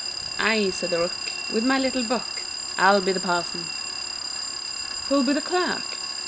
I, said the Rook, With my little book. I'll be the Parson. Who'll be the Clerk?